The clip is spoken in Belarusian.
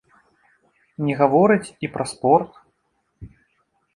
Не гаворыць і пра спорт.